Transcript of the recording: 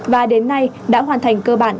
và đến nay đã hoàn thành cơ bản